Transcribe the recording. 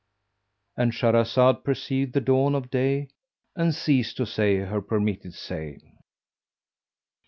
"—And Shahrazad perceived the dawn of day and ceased to say her permitted say.